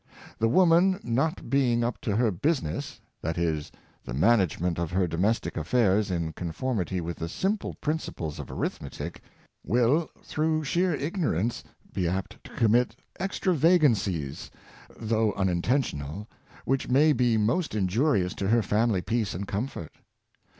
The woman, not being up to her business 112 Business Qualities Requisite. — that is, the management of her domestic affairs in conformity with the simple principles of arithmetic — will, through sheer ignorance, be apt to commit extra vagances, though unintentional, which may be most injurious to her family peace and comfort.